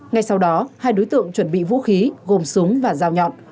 ngay sau đó hai đối tượng chuẩn bị vũ khí gồm súng và dao nhọn